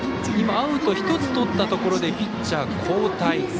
アウト１つとったところでピッチャー交代。